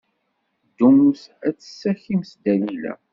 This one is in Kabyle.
Ddumt ad d-tessakimt Dalila.